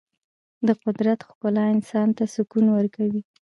د قدرت ښکلا انسان ته سکون ورکوي.